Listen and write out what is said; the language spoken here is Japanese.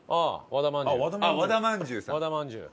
和田まんじゅう？